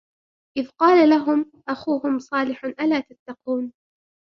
إذ قال لهم أخوهم صالح ألا تتقون